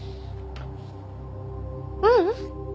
ううん。